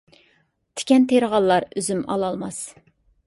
تىكەن تېرىغانلار ئۈزۈم ئالالماس.